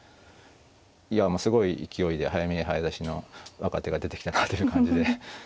いやもうすごい勢いで早見え早指しの若手が出てきたなという感じで。